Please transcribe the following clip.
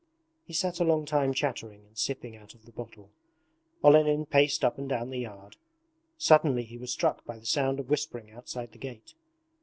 He sat a long time chattering and sipping out of the bottle. Olenin paced up and down the yard. Suddenly he was struck by the sound of whispering outside the gate.